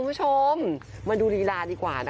ผมมาดูดีลาดีกว่า